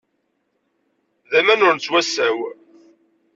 D aman ur nettwasaw!